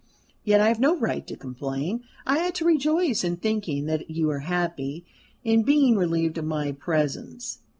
Yet I have no right to complain; I ought to rejoice in thinking that you are happy in being relieved of my presence.